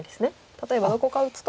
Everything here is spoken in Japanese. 例えばどこか打つと。